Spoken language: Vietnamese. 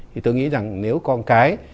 thì tôi nghĩ rằng nếu con cái